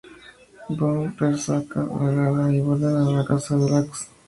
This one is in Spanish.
Bond rescata a Gala y vuelven a la casa de Drax.